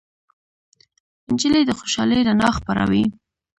نجلۍ د خوشالۍ رڼا خپروي.